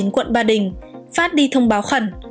quận ba đình phát đi thông báo khẩn